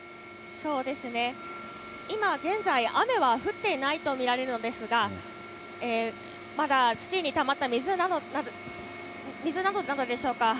そうですね、今現在、雨は降っていないと見られるのですが、まだ土にたまった水なのでしょうか。